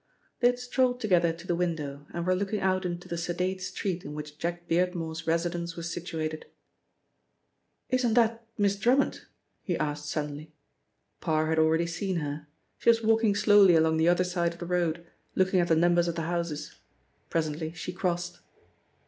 They had strolled together to the window, and were looking out into the sedate street in which Jack Beardmore's residence was situated. "Isn't that Miss Drummond?" he asked suddenly. Parr had already seen her. She was walking slowly along the other side of the road, looking at the numbers of the houses. Presently she crossed.